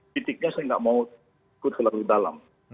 titiknya saya nggak mau ikut terlalu dalam